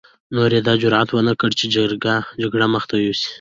نورو يې دا جرعت ونه کړ چې جګړې مخته يوسي.